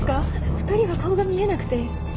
２人は顔が見えなくて。